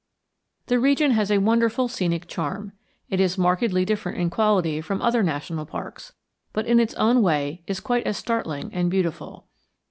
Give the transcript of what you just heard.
The region has a wonderful scenic charm. It is markedly different in quality from other national parks, but in its own way is quite as startling and beautiful.